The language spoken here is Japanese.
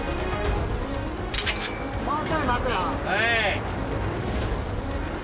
はい。